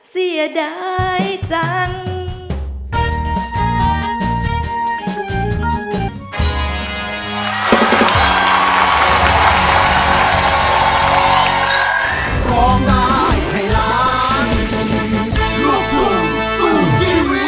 เสียดายจัง